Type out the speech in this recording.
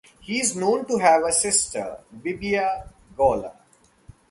He is known to have had a sister, Vibia Galla.